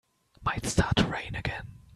Might start to rain again.